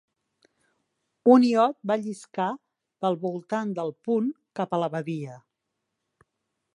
Un iot va lliscar pel voltant del punt cap a la badia.